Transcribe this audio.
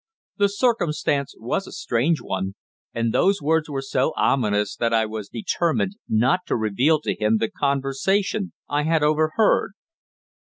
The circumstance was a strange one, and those words were so ominous that I was determined not to reveal to him the conversation I had overheard.